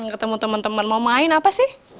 ketemu teman teman mau main apa sih